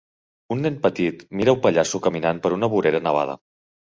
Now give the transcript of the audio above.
Un nen petit mira un pallasso caminant per una vorera nevada.